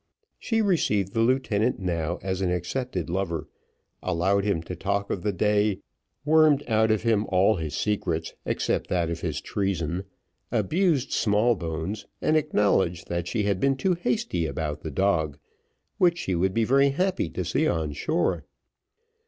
She received the lieutenant now as an accepted lover, allowed him to talk of the day, wormed out of him all his secrets except that of his treason, abused Smallbones, and acknowledged that she had been too hasty about the dog, which she would be very happy to see on shore.